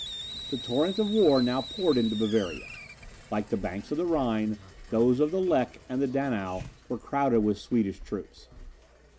The torrent of war now poured into Bavaria. Like the banks of the Rhine, those of the Lecke and the Donau were crowded with Swedish troops.